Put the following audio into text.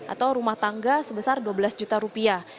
atau rumah tangga sebesar dua belas juta rupiah